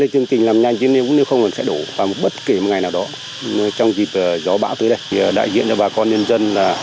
chương trình làm nhanh chứ không sẽ đổ vào bất kỳ ngày nào đó trong dịp gió bão tới đây đại diện cho bà con nhân dân là